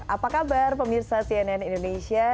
apa kabar pemirsa cnn indonesia